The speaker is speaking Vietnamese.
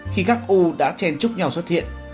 khi các u đã chen chúc nhau xuất hiện